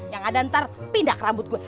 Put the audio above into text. yang ada ntar pindah ke rambut gue